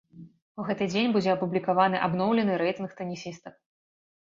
У гэты дзень будзе апублікаваны абноўлены рэйтынг тэнісістак.